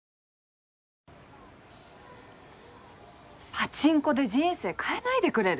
パチンコで人生変えないでくれる？